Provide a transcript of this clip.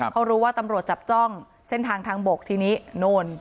เขารู้ว่าตำรวจจับจ้องเส้นทางทางบกทีนี้โน่น